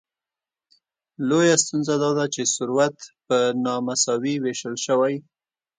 لویه ستونزه داده چې ثروت په نامساوي ویشل شوی.